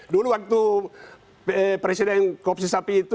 dulu waktu presiden korupsi sapi itu